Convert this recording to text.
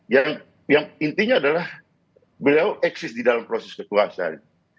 yang intinya adalah beliau eksis di dalam proses kekuasaan